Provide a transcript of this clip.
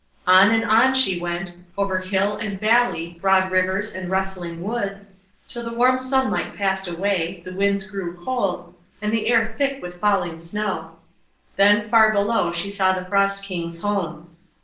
On and on she went, over hill and valley, broad rivers and rustling woods, till the warm sunlight passed away, the winds grew cold, and the air thick with falling snow. Then far below she saw the Frost King's home.